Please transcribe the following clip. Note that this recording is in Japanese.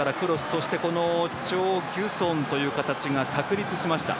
そしてチョ・ギュソンという形が確立しました。